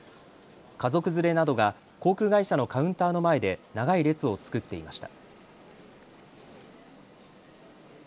家族連れなどが航空会社のカウンターの前で長い列を作っていました。